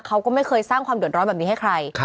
เขาก็ไม่เคยสร้างความเดือดร้อนแบบนี้ให้ใคร